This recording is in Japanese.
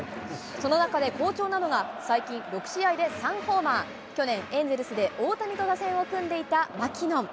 その中で、好調なのが、最近６試合で３ホーマー、去年、エンゼルスで大谷と打線を組んでいた、マキノン。